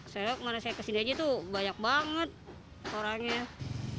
saya ke sini aja tuh banyak banget orangnya